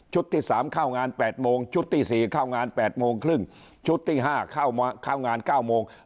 ที่๓เข้างาน๘โมงชุดที่๔เข้างาน๘โมงครึ่งชุดที่๕เข้างาน๙โมง